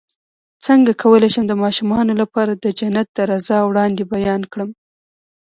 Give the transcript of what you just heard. څنګه کولی شم د ماشومانو لپاره د جنت د رضا وړاندې بیان کړم